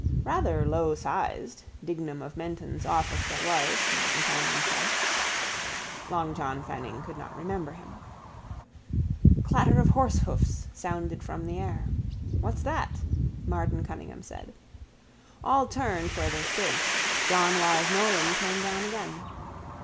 —Rather lowsized. Dignam of Menton's office that was, Martin Cunningham said. Long John Fanning could not remember him. Clatter of horsehoofs sounded from the air. —What's that? Martin Cunningham said. All turned where they stood. John Wyse Nolan came down again.